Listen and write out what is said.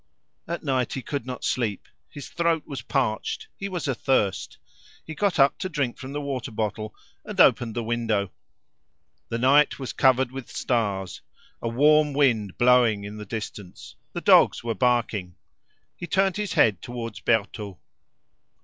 At night he could not sleep; his throat was parched; he was athirst. He got up to drink from the water bottle and opened the window. The night was covered with stars, a warm wind blowing in the distance; the dogs were barking. He turned his head towards the Bertaux.